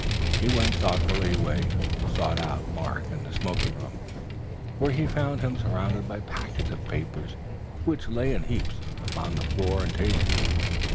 He went thoughtfully away and sought out Mark in the smoking room, where he found him surrounded by packets of papers, which lay in heaps upon the floor and tables.